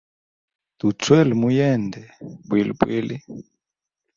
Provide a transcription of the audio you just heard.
Tuchwele mu yende bwilibwli.